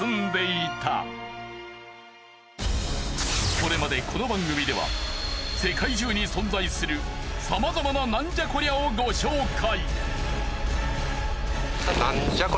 これまでこの番組では世界中に存在するさまざまなナンじゃこりゃ！？をご紹介。